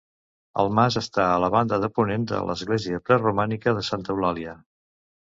El mas està a la banda de ponent de l'església preromànica de Santa Eulàlia.